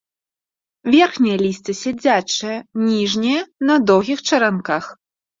Верхняе лісце сядзячае, ніжняе на доўгіх чаранках.